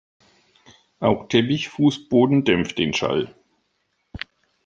Auch Teppichfußboden dämpft den Schall.